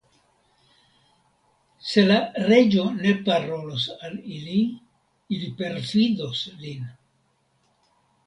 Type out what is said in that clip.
Se la reĝo ne parolos al ili, ili perfidos lin.